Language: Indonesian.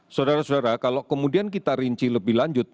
saudara saudara kalau kemudian kita rinci lebih lanjut